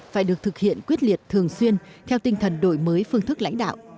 phải được thực hiện quyết liệt thường xuyên theo tinh thần đổi mới phương thức lãnh đạo